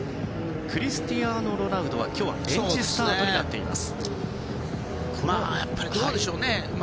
クリスティアーノ・ロナウドは今日はベンチスタートです。